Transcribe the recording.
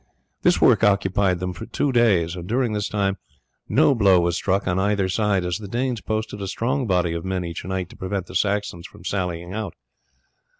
This work occupied them two days, and during this time no blow was struck on either side, as the Danes posted a strong body of men each night to prevent the Saxons from sallying out.